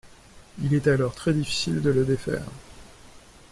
Il est alors très difficile de le défaire.